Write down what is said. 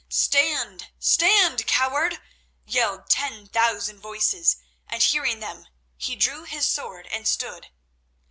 "Stand! Stand, coward!" yelled ten thousand voices, and, hearing them, he drew his sword and stood.